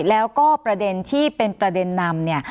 แล้วก็ประเด็นที่เป็นประเด็นนำเนี่ย